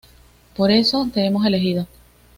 Por eso, te hemos elegido.